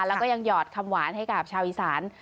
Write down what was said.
แล้วก็ยังหอดคำหวานให้กับชาวอีสาน